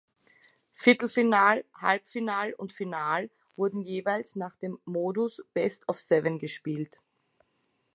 Viertelfinal, Halbfinal und Final wurden jeweils nach dem Modus Best-of-Seven gespielt.